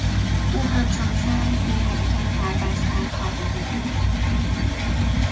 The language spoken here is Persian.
او همچون سنگ بیحرکت در بستر خوابیده بود.